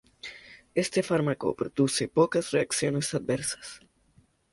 Este fármaco produce pocas reacciones adversas.